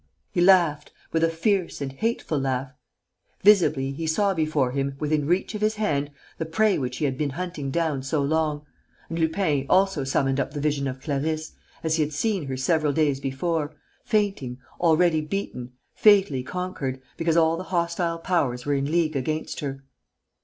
He laughed, with a fierce and hateful laugh. Visibly, he saw before him, within reach of his hand, the prey which he had been hunting down so long. And Lupin also summoned up the vision of Clarisse, as he had seen her several days before, fainting, already beaten, fatally conquered, because all the hostile powers were in league against her.